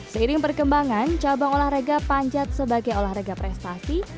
seiring perkembangan cabang olahraga panjat sebagai olahraga prestasi